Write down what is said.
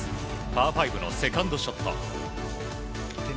パー５のセカンドショット。